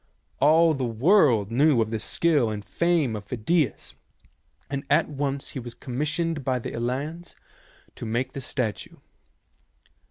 All the world knew of the skill and the fame of Phidias, and at once he was commissioned by the Elians to make the statue.